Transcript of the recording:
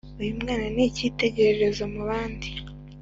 uyu mwana ni ikitegererezo mu bandi